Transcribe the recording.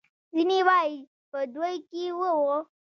ځینې وايي په دوی کې اوه وو.